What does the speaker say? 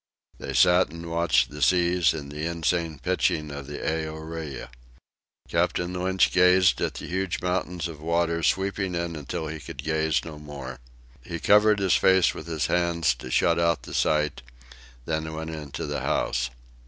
They sat and watched the seas and the insane pitching of the Aorai. Captain Lynch gazed at the huge mountains of water sweeping in until he could gaze no more. He covered his face with his hands to shut out the sight; then went into the house.